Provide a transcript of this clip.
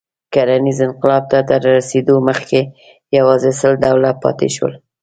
کرنیز انقلاب ته تر رسېدو مخکې یواځې سل ډوله پاتې شول.